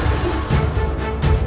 ini mah aneh